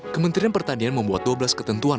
kementerian pertanian membuat dua belas ketentuan